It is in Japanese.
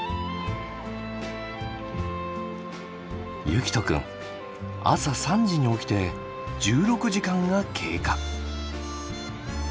結希斗くん朝３時に起きて１６時間が経過。